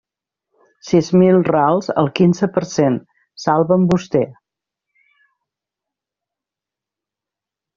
Sis mil rals al quinze per cent; salve'm vostè.